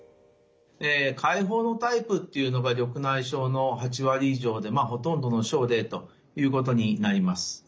開放のタイプっていうのが緑内障の８割以上でまあほとんどの症例ということになります。